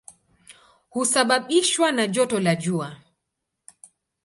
Husababishwa na joto la jua.